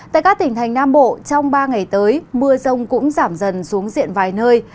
tại các tỉnh thành nam bộ trong ba ngày tới mưa rông cũng giảm dần xuống diện vài nơi